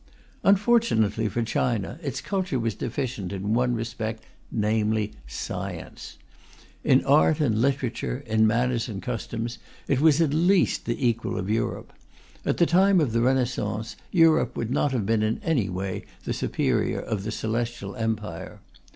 Unfortunately for China, its culture was deficient in one respect, namely science. In art and literature, in manners and customs, it was at least the equal of Europe; at the time of the Renaissance, Europe would not have been in any way the superior of the Celestial Empire.